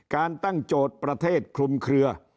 การตั้งโจทย์ประเทศคลุมเคลือ